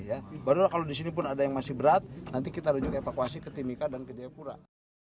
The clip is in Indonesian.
walaupun kalau disini pun ada yang masih berat nanti kita rujuk evakuasi ke timika dan ke jepura